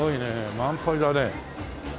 満杯だね。